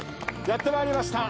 やってまいりました